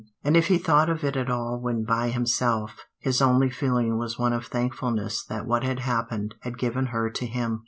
And if he thought of it at all when by himself, his only feeling was one of thankfulness that what had happened had given her to him.